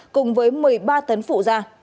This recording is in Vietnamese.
cùng với một mươi ba tấn phụ ra